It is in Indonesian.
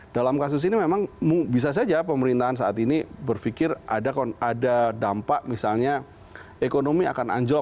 dalam kasus ini memang bisa saja pemerintahan saat ini berpikir ada dampak misalnya ekonomi akan anjlok